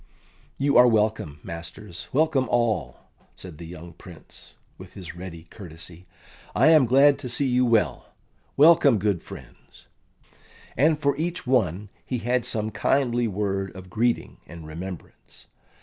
"You are welcome, masters welcome all," said the young Prince, with his ready courtesy. "I am glad to see you well. Welcome, good friends." And for each one he had some kindly word of greeting and remembrance.